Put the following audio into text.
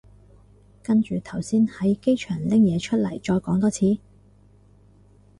跟住頭先喺機場拎嘢出嚟再講多次